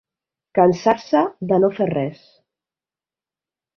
Cansar-se de no fer res.